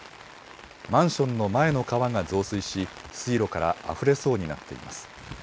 マンションの前の川が増水し水路からあふれそうになっています。